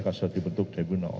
kalau dibentuk tribunal